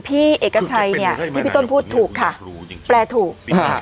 พี่เอกชัยเนี่ยที่พี่ต้นพูดถูกค่ะแปลถูกนะฮะ